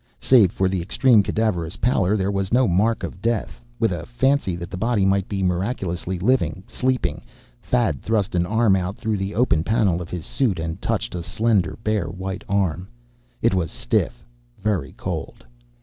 Save for the extreme, cadaverous pallor, there was no mark of death. With a fancy that the body might be miraculously living, sleeping, Thad thrust an arm out through the opened panel of his suit, and touched a slender, bare white arm. It was stiff, very cold.